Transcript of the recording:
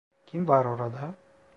Kim var orada?